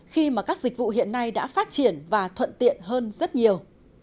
khi mà các dịch vụ hiện nay đã phát triển và thuận tiện hơn rất nhiều